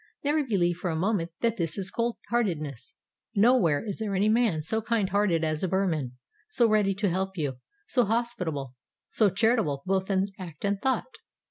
Never believe for a moment that this is cold heartedness. Nowhere is there any man so kind hearted as a Burman, so ready to help you, so hospitable, so charitable both in act and thought.